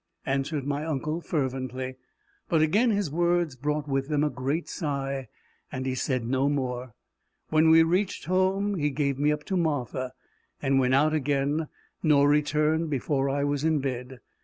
answered my uncle fervently; but again his words brought with them a great sigh, and he said no more. When we reached home, he gave me up to Martha, and went out again nor returned before I was in bed.